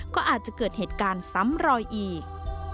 ก็อาจจะเกิดเหตุการณ์ซ้ำรอยอีก